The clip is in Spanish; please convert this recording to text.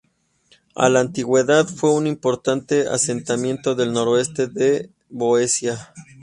En la Antigüedad fue un importante asentamiento del noroeste de Beocia.